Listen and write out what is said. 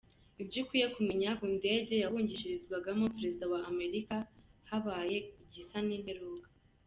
Ibyo ukwiye kumenya ku ndege yahungishirizwamo Perezida wa Amerika habaye igisa n’imperuka.